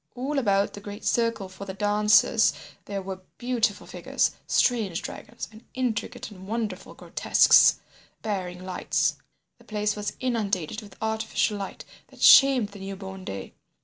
All about the great circle for the dancers there were beautiful figures, strange dragons, and intricate and wonderful grotesques bearing lights. The place was inundated with artificial light that shamed the newborn day.